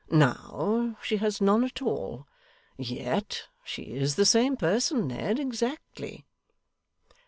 Now she has none at all. Yet she is the same person, Ned, exactly.